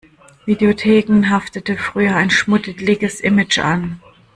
Videotheken haftete früher ein schmuddeliges Image an.